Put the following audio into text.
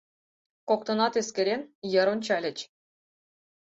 Коктынат, эскерен, йыр ончальыч.